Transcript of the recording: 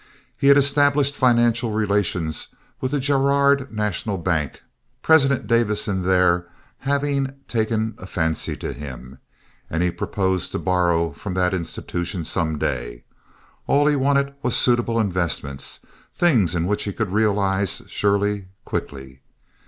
He had established financial relations with the Girard National Bank—President Davison there having taken a fancy to him—and he proposed to borrow from that institution some day. All he wanted was suitable investments—things in which he could realize surely, quickly.